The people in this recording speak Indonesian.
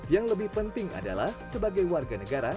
yang lebih penting adalah sebagai warga negara